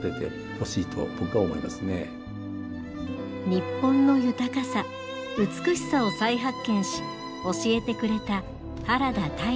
日本の豊かさ美しさを再発見し教えてくれた原田泰治さん。